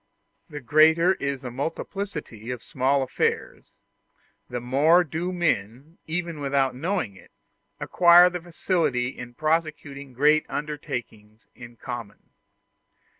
The greater is the multiplicity of small affairs, the more do men, even without knowing it, acquire facility in prosecuting great undertakings in common.